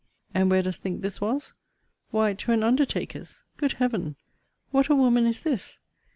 And where dost think this was? Why to an undertaker's! Good Heaven! what a woman is this!